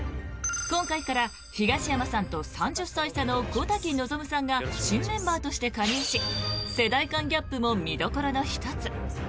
今回から東山さんと３０歳差の小瀧望さんが新メンバーとして加入し世代間ギャップも見どころの１つ。